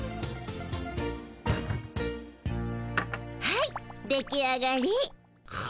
はい出来上がり。